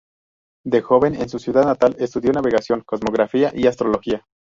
De joven en su ciudad natal estudió navegación, cosmografía y astrología.